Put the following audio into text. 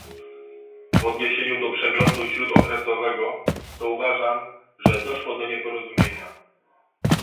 W odniesieniu do przeglądu śródokresowego, to uważam, że doszło do nieporozumienia